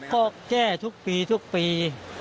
ก็แก้ทุกปีทุกปี